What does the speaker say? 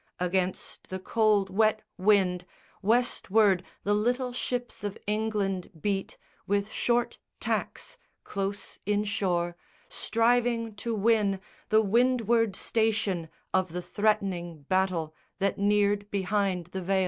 Against the cold wet wind Westward the little ships of England beat With short tacks, close inshore, striving to win The windward station of the threatening battle That neared behind the veil.